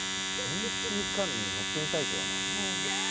潜水艦に乗ってみたいけどな。